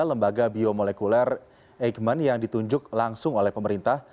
lembaga biomolekuler eijkman yang ditunjuk langsung oleh pemerintah